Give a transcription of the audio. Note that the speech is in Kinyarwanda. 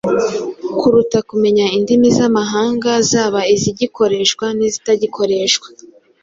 kuruta kumenya indimi z’amahanga zaba izigikoreshwa n’izitagikoreshwa.